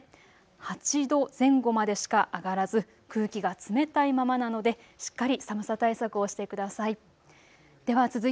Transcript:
８度前後までしか上がらず空気が冷たいままなのでしっかり寒さ対策をしてください。